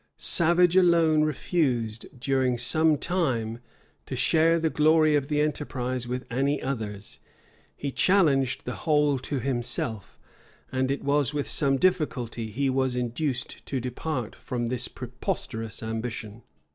Savage alone refused, during some time, to share the glory of the enterprise with any others;[*] he challenged the whole to himself; and it was with some difficulty he was induced to depart from this preposterous ambition.